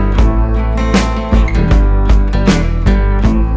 dia maskah nih